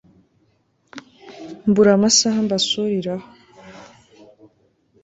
mbura amasaha mbasuriraho